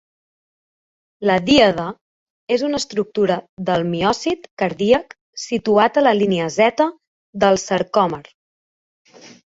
La díade és una estructura del miòcit cardíac situat a la línia Z del sarcòmer.